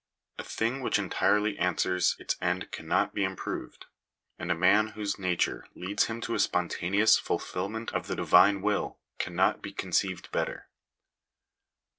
A thing which entirely answers its end cannot be improved ; and a man whose nature leads him to a spontaneous fulfilment of the Divine will cannot be conceived better.